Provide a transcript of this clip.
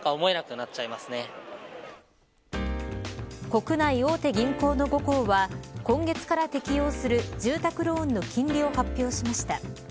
国内大手銀行の５行は今月から適用する住宅ローンの金利を発表しました。